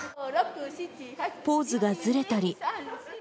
ポーズがずれたり。